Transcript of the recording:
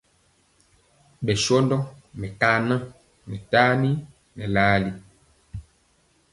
Bɛshóndo mekaŋan ŋɛ tani ŋɛ larli.